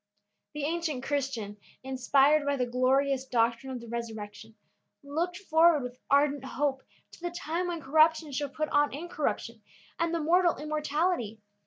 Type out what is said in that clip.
The ancient Christian, inspired by the glorious doctrine of the resurrection, looked forward with ardent hope to the time when corruption should put on incorruption, and the mortal, immortality.